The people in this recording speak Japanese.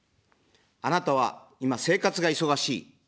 あなたは今、生活が忙しい。